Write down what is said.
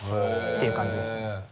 ていう感じですね。